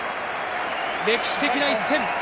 歴史的な一戦。